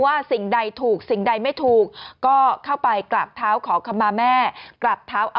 ว่าสิ่งใดถูกสิ่งใดไม่ถูกก็เข้าไปกราบท้าวขอขมาแม่กราบ